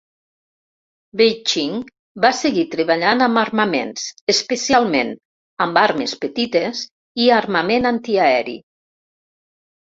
Beeching va seguir treballant amb armaments, especialment amb armes petites i armament antiaeri.